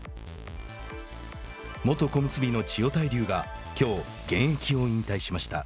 元小結の千代大龍がきょう現役を引退しました。